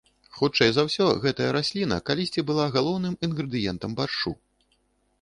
Хутчэй за ўсё, гэтая расліна калісьці была галоўным інгрэдыентам баршчу.